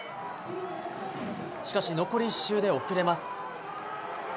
しかし、残り１周で遅れます。